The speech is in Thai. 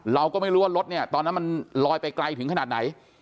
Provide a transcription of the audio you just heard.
เราก็ไม่รู้ว่ารถเนี่ยตอนนั้นมันลอยไปไกลถึงขนาดไหน